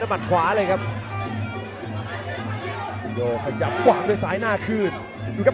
มันก็มาส่งนะครับ